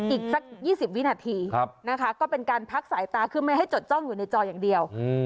อีกสัก๒๐วินาทีนะคะก็เป็นการพักสายตาคือไม่ให้จดจ้องอยู่ในจออย่างเดียว